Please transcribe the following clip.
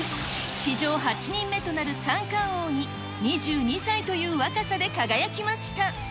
史上８人目となる三冠王に２２歳という若さで輝きました。